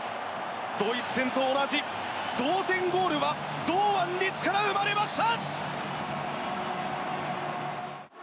ドイツ戦と同じ同点ゴールは堂安律から生まれました。